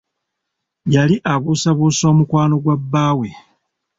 Yali abuusabuusa omukwano gwa bbaawe.